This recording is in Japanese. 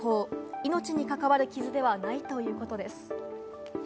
命に関わる傷ではないということです。